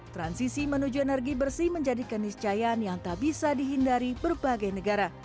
transisi menuju energi bersih menjadi keniscayaan yang tak bisa dihindari berbagai negara